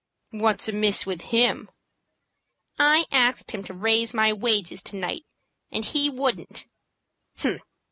"What's amiss with him?" "I asked him to raise my wages to night, and he wouldn't."